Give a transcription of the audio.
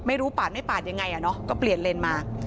ไม่รู้ปาดไม่ปาดยังไงเนอะก็เปลี่ยนเลนไว้มา